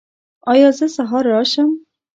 ایا زه سهار راشم؟